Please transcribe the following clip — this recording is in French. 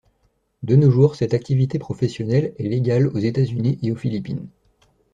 De nos jours, cette activité professionnelle est légale aux États-Unis et aux Philippines.